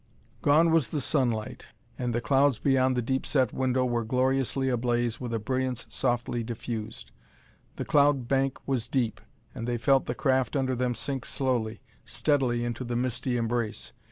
Gone was the sunlight, and the clouds beyond the deep set window were gloriously ablaze with a brilliance softly diffused. The cloud bank was deep, and they felt the craft under them sink slowly, steadily into the misty embrace.